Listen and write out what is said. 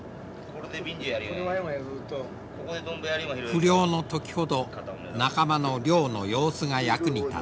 不漁の時ほど仲間の漁の様子が役に立つ。